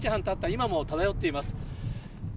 今も漂っています。